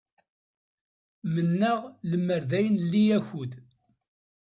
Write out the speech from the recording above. Mennaɣ lemmer d ay nli akud.